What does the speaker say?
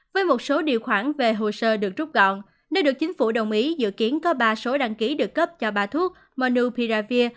với một số điều khoản về hồ sơ được rút gọn nếu được chính phủ đồng ý dự kiến có ba số đăng ký được cấp cho ba thuốc monupiravir